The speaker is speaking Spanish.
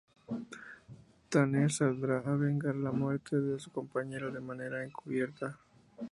Tanner saldrá a vengar la muerte de su compañero, de manera encubierta.